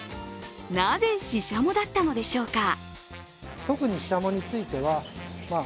なぜ、ししゃもだったのでしょうか？